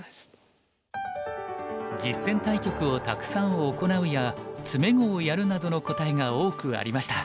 「実戦対局をたくさん行う」や「詰碁をやる」などの答えが多くありました。